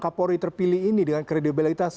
kapolri terpilih ini dengan kredibilitas